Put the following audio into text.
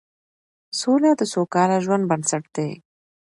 سوله د سوکاله ژوند بنسټ دی